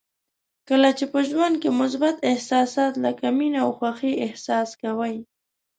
کله چې په ژوند کې مثبت احساسات لکه مینه او خوښي احساس کوئ.